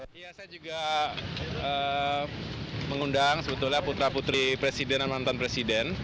saya juga mengundang sebetulnya putra putri presiden dan mantan presiden